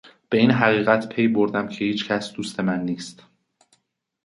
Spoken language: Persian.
به این حقیقت پی بردم که هیچ کس دوست من نیست.